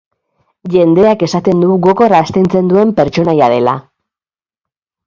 Jendeak esaten du gogor astintzen duen pertsonaia dela.